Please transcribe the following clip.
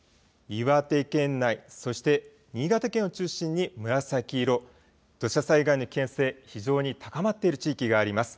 岩手県内、そして新潟県を中心に紫色、土砂災害の危険性、非常に高まっている地域があります。